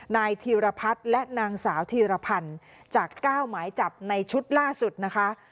นายธีรพัฒน์และนางสาวธีรพันธ์จาก๙หมายจับในชุดล่าสุดนะคะ